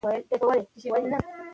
پیچلتیا کمه ده.